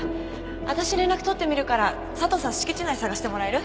私連絡取ってみるから佐藤さん敷地内捜してもらえる？